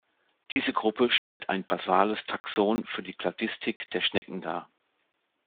Diese Gruppe stellt ein basales Taxon für die Kladistik der Schnecken dar.